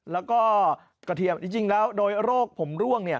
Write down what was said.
แล้วก็กระเทียมจริงแล้วโดยโรคผมร่วงเนี่ย